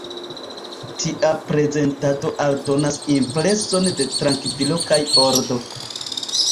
Tia prezentado aldonas impreson de trankvilo kaj ordo.